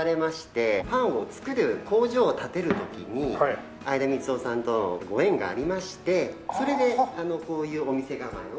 パンを作る工場を建てる時に相田みつをさんとのご縁がありましてそれでこういうお店構えを。